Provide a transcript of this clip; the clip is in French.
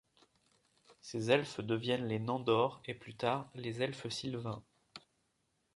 Ces elfes deviennent les Nandor et plus tard, les Elfes sylvains.